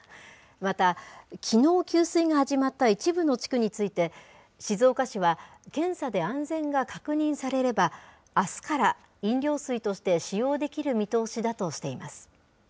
また、きのう給水が始まった一部の地区について、静岡市は、検査で安全が確認されれば、あすから飲料水として使用できる見通しだとしています。